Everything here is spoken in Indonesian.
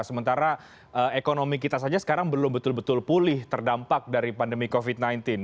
sementara ekonomi kita saja sekarang belum betul betul pulih terdampak dari pandemi covid sembilan belas